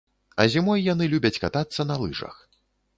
А зімой яны любяць катацца на лыжах.